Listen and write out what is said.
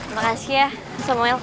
terima kasih ya samuel